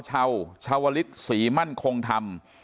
ชาวลิดศรีมั่นคงทำ